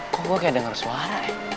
kok gua kayak denger suara ya